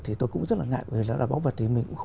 thì tôi cũng rất là ngại vì nó là bóng vật